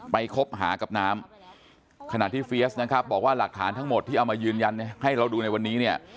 คบหากับน้ำขณะที่เฟียสนะครับบอกว่าหลักฐานทั้งหมดที่เอามายืนยันให้เราดูในวันนี้เนี่ย